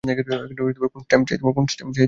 কোন স্ট্যাম্প চাই তোমার?